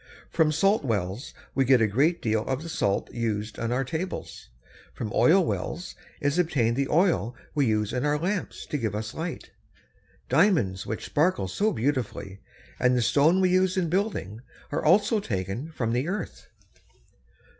From salt wells we get a great deal of the salt used on our tables. From oil wells is obtained the oil we use in our lamps to give us light. Diamonds which sparkle so beautifully, and the stone we use in building, are also taken from the earth.